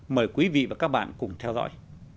mời quý vị và các bạn cùng theo dõi